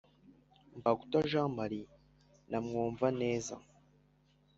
mbaguta jean marie na mwumvaneza